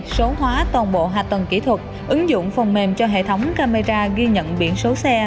số hóa toàn bộ hạ tầng kỹ thuật ứng dụng phần mềm cho hệ thống camera ghi nhận biển số xe